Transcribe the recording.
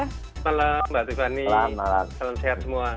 selamat malam mbak tiffany salam sehat semua